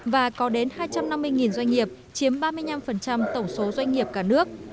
và có đến hai trăm năm mươi doanh nghiệp chiếm ba mươi năm tổng số doanh nghiệp cả nước